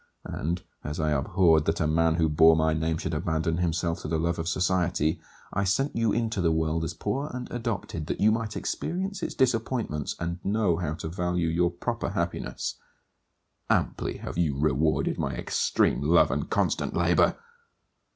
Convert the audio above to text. And, as I abhorred that a man who bore my name should abandon himself to the love of society, I sent you into the world as poor and adopted, that you might experience its disappointments and know how to value your proper happiness. Amply have you rewarded my extreme love and constant labour!